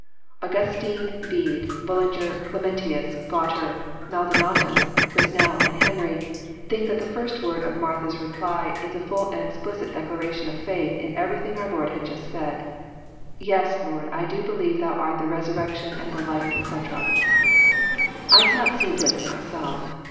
Augustine, Bede, Bullinger, Chemnitlus, Gualter, Maldonatus, Qnesnel, and Henry, think that the first word of Martha's reply Is a ttiU and explicit declaration* of faith in everything our Lord had Just said. *' Yes, Lord, I do believe Thou art the resurrection and the life," etc. I cannot see this myself.